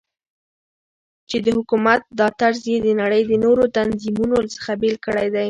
چې دحكومت دا طرز يي دنړۍ دنورو تنظيمونو څخه بيل كړى دى .